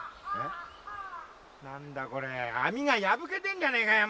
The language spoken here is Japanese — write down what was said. なんだこれ網が破けてんじゃねえかよ